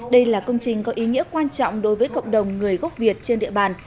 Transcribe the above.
đây là công trình có ý nghĩa quan trọng đối với cộng đồng người gốc việt trên địa bàn